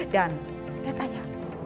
dan lihat aja